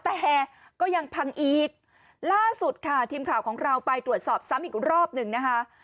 แต่ก็ยังพังอีกล่าสุดค่ะทีมข่าวของเราไปตรวจสอบซ้ำอีกรอบหนึ่งนะคะ